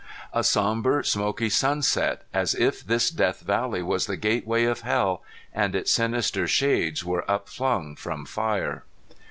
A sombre smoky sunset, as if this Death Valley was the gateway of hell, and its sinister shades were upflung from fire.